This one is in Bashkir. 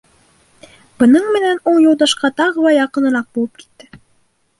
Бының менән ул Юлдашҡа тағы ла яҡыныраҡ булып китте.